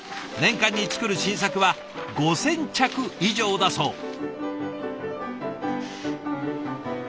年間に作る新作は５，０００着以上だそう。